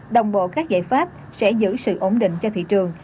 đồng bộ các giải pháp sẽ giữ sự ổn định cho thị trường